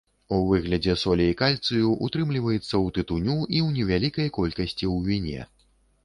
У выглядзе солей кальцыю утрымліваецца ў тытуню і ў невялікай колькасці ў віне.